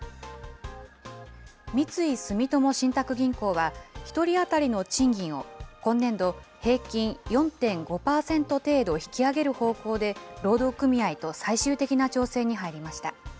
三井住友信託銀行は、１人当たりの賃金を、今年度、平均４．５％程度引き上げる方向で労働組合と最終的な調整に入りました。